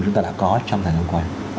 chúng ta đã có trong thời gian qua